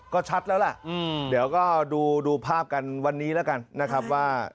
ก็ชัดแล้วล่ะเดี๋ยวก็ดูภาพกันวันนี้แล้วกันนะครับว่า